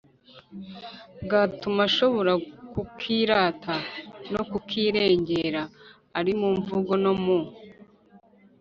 bwatuma ashobora kukirata no kukirengera, ari mu mvugo no mu